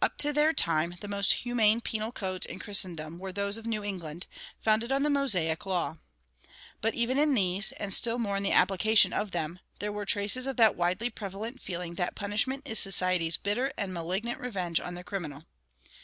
Up to their time the most humane penal codes in Christendom were those of New England, founded on the Mosaic law. But even in these, and still more in the application of them, there were traces of that widely prevalent feeling that punishment is society's bitter and malignant revenge on the criminal.